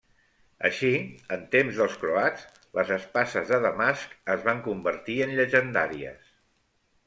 Així, en temps dels croats, les espases de Damasc es van convertir en llegendàries.